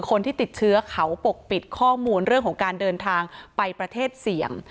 คนที่ติดเชื้อเขาปกปิดข้อมูลเรื่องของการเดินทางไปประเทศเสี่ยง